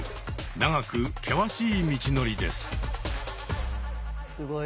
長く険しい道のりです。